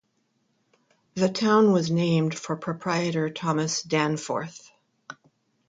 The town was named for proprietor Thomas Danforth.